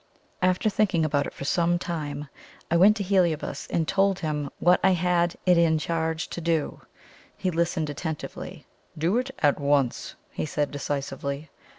After thinking about it for some time, I went to Heliobas and told him what I had it in charge to do. He listened attentively. "Do it at once," he said decisively.